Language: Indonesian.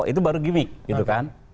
itu baru gimmick